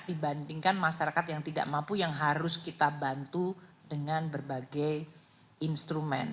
dibandingkan masyarakat yang tidak mampu yang harus kita bantu dengan berbagai instrumen